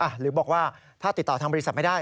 หรือบอกว่าถ้าติดต่อทางบริษัทไม่ได้